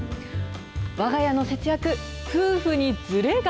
わが家の節約、夫婦にずれが？